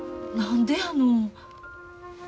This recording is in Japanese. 何でやの。